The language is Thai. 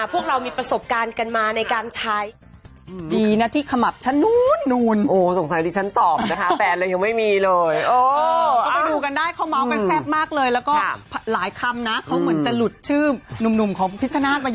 พวกเรามีประสบการณ์กันมาในการใช้